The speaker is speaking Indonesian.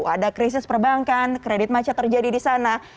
ada krisis perbankan kredit macet terjadi di sana